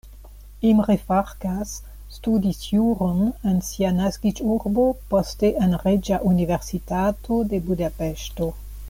Imre Farkas studis juron en sia naskiĝurbo, poste en Reĝa Universitato de Budapeŝto.